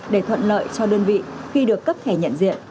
để thuận lợi cho đơn vị khi được cấp thẻ nhận diện